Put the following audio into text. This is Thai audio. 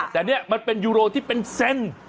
แต่นี่มันเป็นยูโรที่เป็นเซน